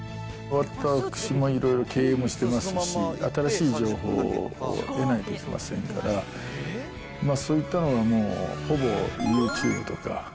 私もいろいろ経営もしてますし、新しい情報を得ないといけませんから、そういったのはもう、ほぼユーチューブとか。